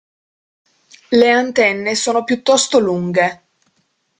Le antenne sono piuttosto lunghe.